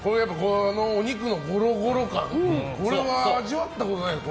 お肉のゴロゴロ感、これは味わったことないです。